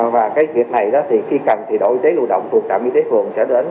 và việc này khi cần thì đội y tế lưu động thuộc trạm y tế phường sẽ đến